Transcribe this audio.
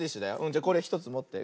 じゃこれ１つもって。